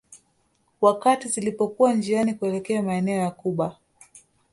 Wakati zilipokuwa njiani kuelekea maeneo ya Cuba